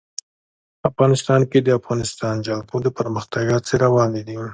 افغانستان کې د د افغانستان جلکو د پرمختګ هڅې روانې دي.